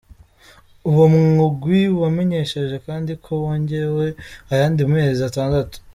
Uwo mugwi wamenyesheje kandi ko wongewe ayandi mezi atandatu.